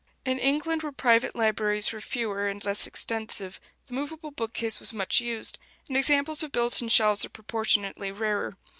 In England, where private libraries were fewer and less extensive, the movable bookcase was much used, and examples of built in shelves are proportionately rarer.